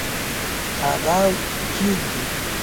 تاداو کښېږدي